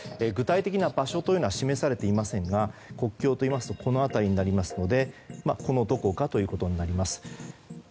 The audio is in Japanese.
具体的な場所というのは示されていませんが国境といいますとこの辺りになりますのでこのどこかということになります。